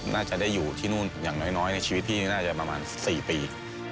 น่าจะได้อยู่ที่นู่นอย่างน้อยในชีวิตพี่นี่น่าจะประมาณ๔ปี